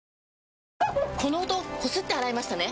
この音こすって洗いましたね？